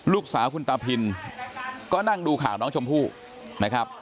ลูกสาวคุณตาพินก็นั่งดูข่าวน้องชมพู่นะครับ